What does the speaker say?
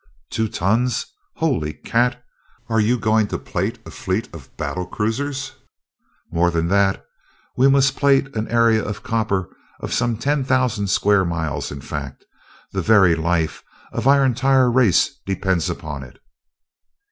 "Two tons! Holy cat! Are you going to plate a fleet of battle cruisers?" "More than that. We must plate an area of copper of some ten thousand square miles in fact, the very life of our entire race depends upon it."